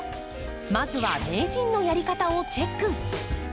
まずは名人のやり方をチェック。